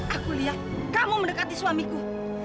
aku lihat kamu mendekati suamiku